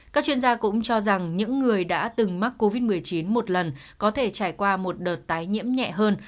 các chuyên gia cũng cho rằng những người đã từng mắc covid một mươi chín một lần có thể trải qua một đợt tái nhiễm nhẹ hơn